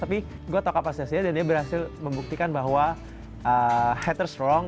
tapi gue tahu kapasitasnya dan dia berhasil membuktikan bahwa haters wrong